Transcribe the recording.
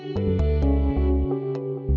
tutup baru aku pulang